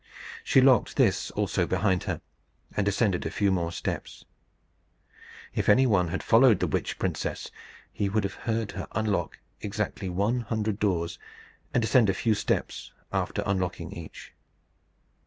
She locked this also behind her, and descended a few more steps. If anyone had followed the witch princess, he would have heard her unlock exactly one hundred doors, and descend a few steps after unlocking each.